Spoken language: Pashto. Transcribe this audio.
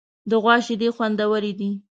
د غوا شیدې خوندورې دي.